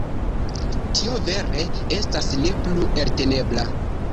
Tio vere estas ne plu eltenebla.